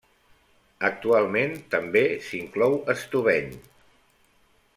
Actualment també s'inclou Estubeny.